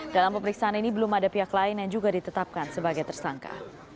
dalam pemeriksaan ini belum ada pihak lain yang juga ditetapkan sebagai tersangka